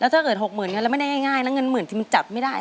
แล้วถ้าเกิดหกหมื่นเนี่ยเราไม่ได้ง่ายนะเงินหมื่นที่มันจับไม่ได้อะ